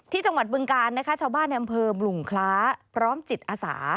ที่จังหวัดบึงการชาวบ้านแถมเภอบลุงคล้าพร้อมจิตอสา